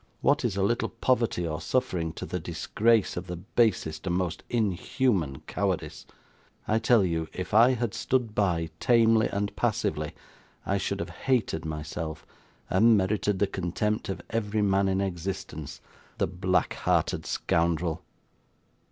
What is a little poverty or suffering, to the disgrace of the basest and most inhuman cowardice! I tell you, if I had stood by, tamely and passively, I should have hated myself, and merited the contempt of every man in existence. The black hearted scoundrel!